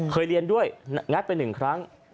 เคยเรียนด้วยงัดไป๑ครั้ง